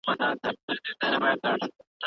ډېر ژر